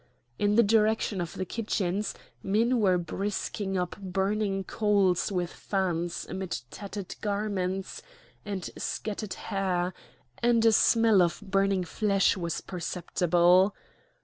In the direction of the kitchens, men were brisking up burning coals with fans amid tattered garments and scattered hair, and a smell of burning flesh was perceptible.